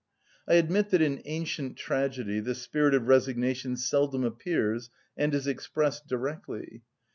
I admit that in ancient tragedy this spirit of resignation seldom appears and is expressed directly.